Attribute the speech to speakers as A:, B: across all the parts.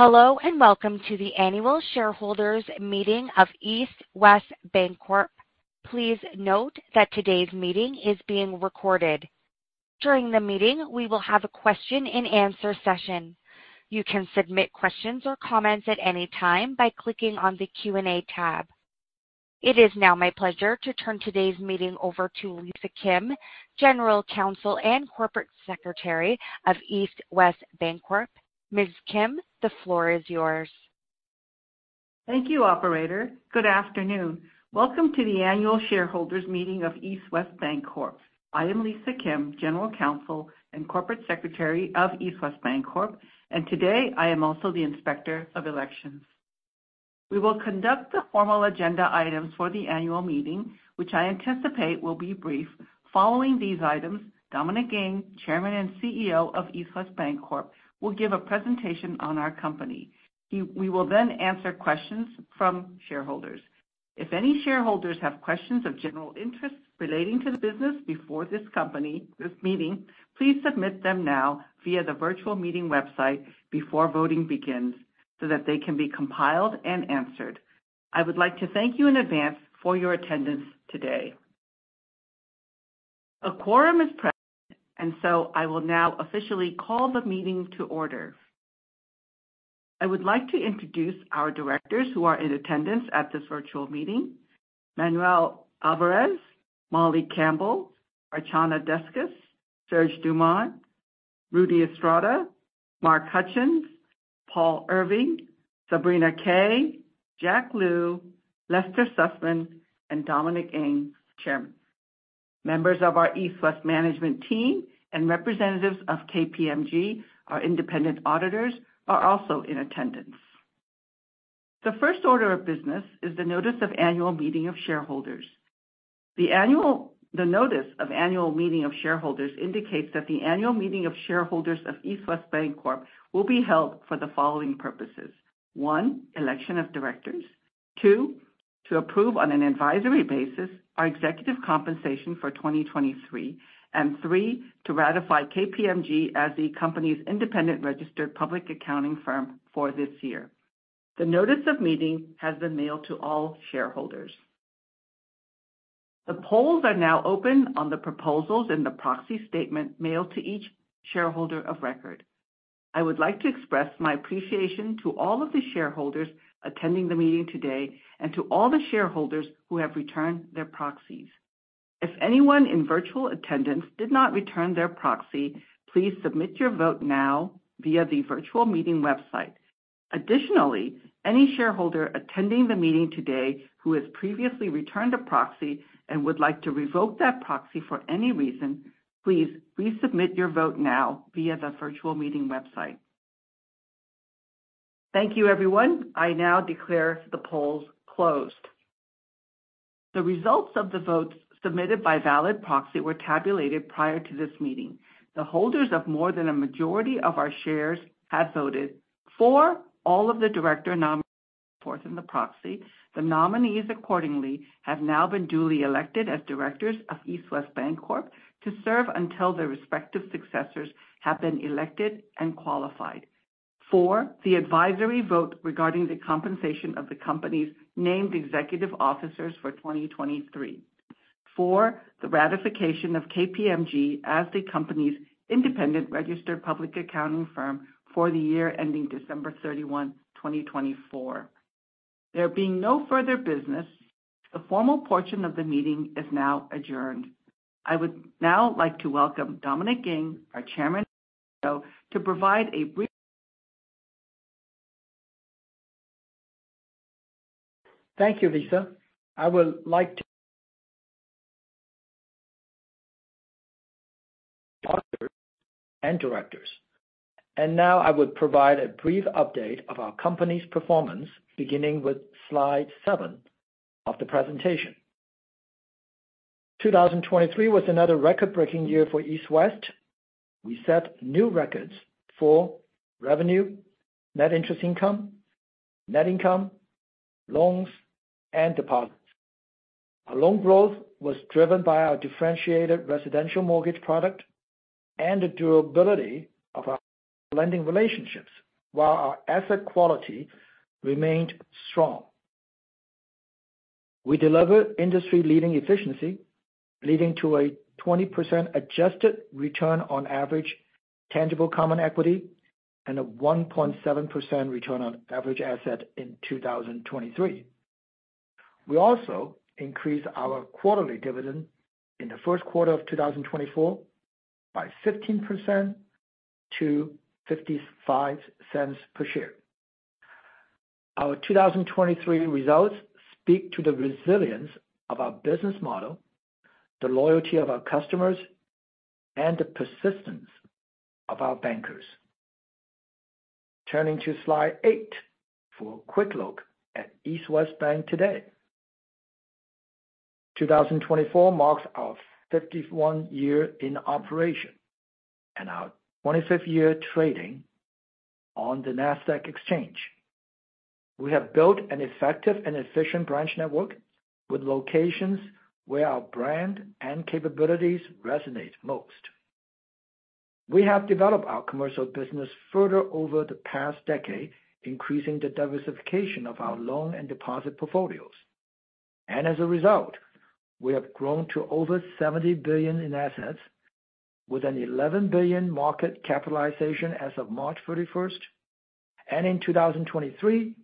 A: Hello, and welcome to the Annual Shareholders Meeting of East West Bancorp. Please note that today's meeting is being recorded. During the meeting, we will have a Q&A session. You can submit questions or comments at any time by clicking on the Q&A tab. It is now my pleasure to turn today's meeting over to Lisa Kim, General Counsel and Corporate Secretary of East West Bancorp. Ms. Kim, the floor is yours.
B: Thank you, operator. Good afternoon. Welcome to the Annual Shareholders Meeting of East West Bancorp. I am Lisa Kim, General Counsel and Corporate Secretary of East West Bancorp, and today, I am also the Inspector of Elections. We will conduct the formal agenda items for the annual meeting, which I anticipate will be brief. Following these items, Dominic Ng, Chairman and CEO of East West Bancorp, will give a presentation on our company. We will then answer questions from shareholders. If any shareholders have questions of general interest relating to the business before this company, this meeting, please submit them now via the virtual meeting website before voting begins, so that they can be compiled and answered. I would like to thank you in advance for your attendance today. A quorum is present, and so I will now officially call the meeting to order. I would like to introduce our directors who are in attendance at this virtual meeting. Manuel Alvarez, Molly Campbell, Archana Deskus, Serge Dumont, Rudy Estrada, Mark Hutchins, Paul Irving, Sabrina Kay, Jack Liu, Lester Sussman, and Dominic Ng, Chairman. Members of our East West management team and representatives of KPMG, our independent auditors, are also in attendance. The first order of business is the notice of annual meeting of shareholders. The notice of annual meeting of shareholders indicates that the annual meeting of shareholders of East West Bancorp will be held for the following purposes: one, election of directors. Two, to approve on an advisory basis our executive compensation for 2023. And three, to ratify KPMG as the company's independent registered public accounting firm for this year. The notice of meeting has been mailed to all shareholders. The polls are now open on the proposals in the proxy statement mailed to each shareholder of record. I would like to express my appreciation to all of the shareholders attending the meeting today and to all the shareholders who have returned their proxies. If anyone in virtual attendance did not return their proxy, please submit your vote now via the virtual meeting website. Additionally, any shareholder attending the meeting today who has previously returned a proxy and would like to revoke that proxy for any reason, please resubmit your vote now via the virtual meeting website. Thank you, everyone. I now declare the polls closed. The results of the votes submitted by valid proxy were tabulated prior to this meeting. The holders of more than a majority of our shares have voted for all of the director nominees in the proxy. The nominees accordingly have now been duly elected as directors of East West Bancorp to serve until their respective successors have been elected and qualified. For the advisory vote regarding the compensation of the company's named executive officers for 2023. For the ratification of KPMG as the company's independent registered public accounting firm for the year ending December 31, 2024. There being no further business, the formal portion of the meeting is now adjourned. I would now like to welcome Dominic Ng, our Chairman, to provide a brief...
C: Thank you, Lisa. I would like to... and directors. And now I would provide a brief update of our company's performance, beginning with slide 7 of the presentation. 2023 was another record-breaking year for East West. We set new records for revenue, net interest income, net income, loans, and deposits. Our loan growth was driven by our differentiated residential mortgage product and the durability of our lending relationships, while our asset quality remained strong. We delivered industry-leading efficiency, leading to a 20% adjusted return on average tangible common equity, and a 1.7% return on average assets in 2023. We also increased our quarterly dividend in the Q1 of 2024 by 15% to $0.55 per share. Our 2023 results speak to the resilience of our business model, the loyalty of our customers, and the persistence of our bankers. Turning to slide 8 for a quick look at East West Bank today. 2024 marks our 51st year in operation and our 25th year trading on the Nasdaq Exchange. We have built an effective and efficient branch network with locations where our brand and capabilities resonate most. We have developed our commercial business further over the past decade, increasing the diversification of our loan and deposit portfolios. As a result, we have grown to over $70 billion in assets, with an $11 billion market capitalization as of March 31. In 2023,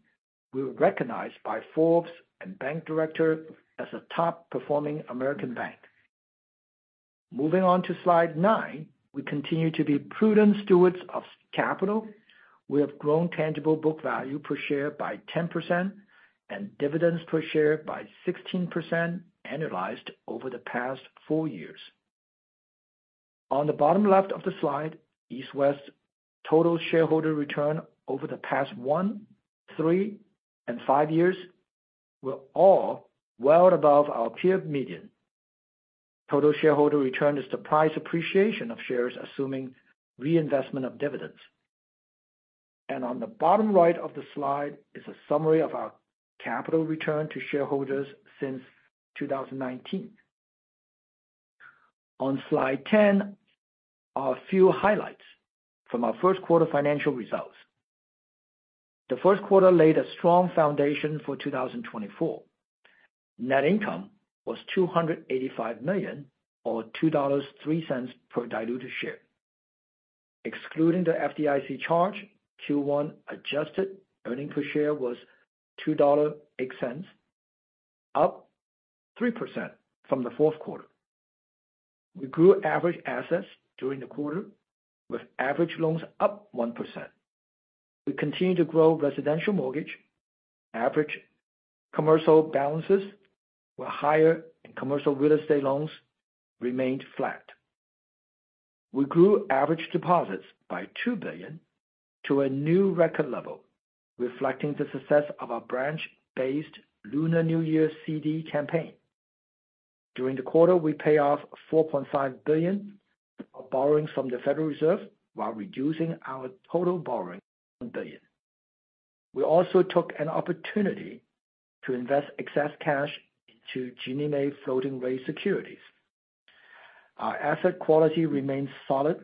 C: we were recognized by Forbes and Bank Director as a top-performing American bank. Moving on to slide 9. We continue to be prudent stewards of capital. We have grown tangible book value per share by 10% and dividends per share by 16%, annualized over the past 4 years. On the bottom left of the slide, East West total shareholder return over the past 1, 3, and 5 years were all well above our peer median. Total shareholder return is the price appreciation of shares, assuming reinvestment of dividends. On the bottom right of the slide is a summary of our capital return to shareholders since 2019. On slide 10 are a few highlights from our Q1 financial results. The Q1 laid a strong foundation for 2024. Net income was $285 million, or $2.03 per diluted share. Excluding the FDIC charge, Q1 adjusted earnings per share was $2.08, up 3% from the Q4. We grew average assets during the quarter, with average loans up 1%. We continued to grow residential mortgage. Average commercial balances were higher, and commercial real estate loans remained flat. We grew average deposits by $2 billion to a new record level, reflecting the success of our branch-based Lunar New Year CD campaign. During the quarter, we paid off $4.5 billion of borrowings from the Federal Reserve while reducing our total borrowing, $1 billion. We also took an opportunity to invest excess cash into Ginnie Mae floating rate securities. Our asset quality remains solid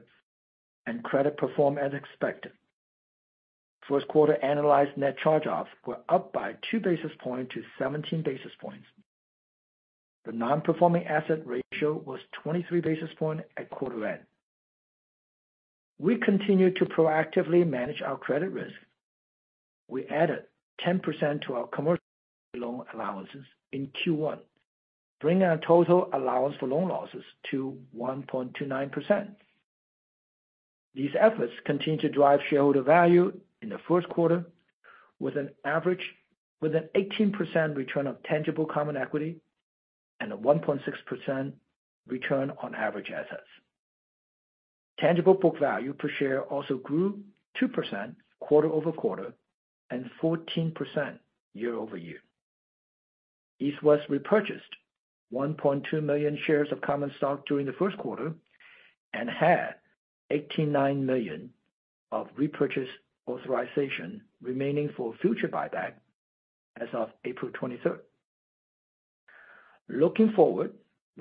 C: and credit perform as expected. Q1 annualized net charge-offs were up by 2 basis points to 17 basis points. The non-performing asset ratio was 23 basis points at quarter end. We continue to proactively manage our credit risk. We added 10% to our commercial loan allowances in Q1, bringing our total allowance for loan losses to 1.29%. These efforts continue to drive shareholder value in the Q1, with an 18% return on tangible common equity and a 1.6% return on average assets. Tangible book value per share also grew 2% quarter-over-quarter and 14% year-over-year. East West repurchased 1.2 million shares of common stock during the Q1 and had 89 million of repurchase authorization remaining for future buyback as of April 23. Looking forward,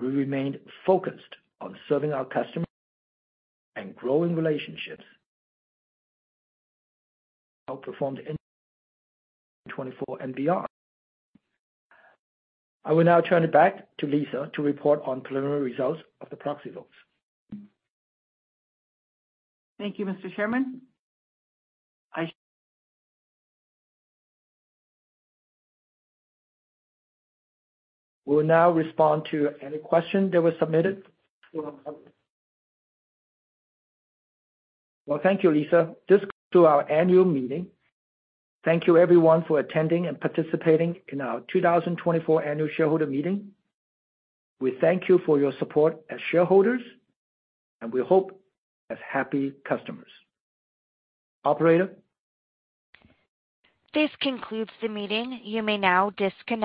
C: we remain focused on serving our customers and growing relationships outperformed in 2024 and beyond. I will now turn it back to Lisa to report on preliminary results of the proxy votes.
B: Thank you, Mr. Chairman. I-
C: We'll now respond to any questions that were submitted. Well, thank you, Lisa. This concludes our annual meeting. Thank you, everyone, for attending and participating in our 2024 annual shareholder meeting. We thank you for your support as shareholders and we hope as happy customers. Operator?
A: This concludes the meeting. You may now disconnect.